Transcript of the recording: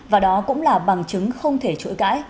và đó cũng là bằng chứng không thể chối cãi